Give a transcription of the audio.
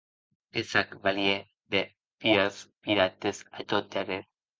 Que s'ac valie de vier pirates, a tot darrèr.